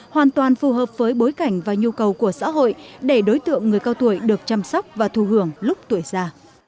hoàn toàn phù hợp với bối cảnh và nhu cầu của xã hội để đối tượng người cao tuổi được chăm sóc và thu hưởng lúc tuổi già